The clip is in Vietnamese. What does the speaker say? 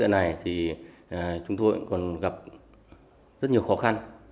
thì chúng tôi còn gặp rất nhiều khó khăn